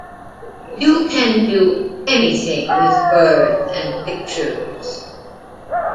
You can do anything with words and pictures'.